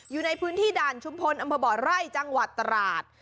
อยู่ในพื้นที่ด่านชุมพลอำเภอบ่อไร่จังหวัดตราด